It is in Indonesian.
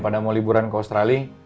pada mau liburan ke australia